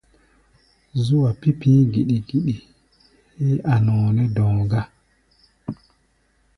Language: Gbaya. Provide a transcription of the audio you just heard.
Zú-a pi̧ pi̧í̧ giɗi-giɗi héé a̧ nɔɔ nɛ́ dɔ̧ɔ̧ gá.